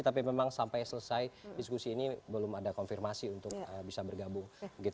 tapi memang sampai selesai diskusi ini belum ada konfirmasi untuk bisa bergabung